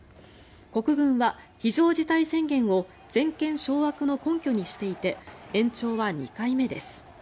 国軍は非常事態宣言を全権掌握の根拠にしていて延長は２回目です。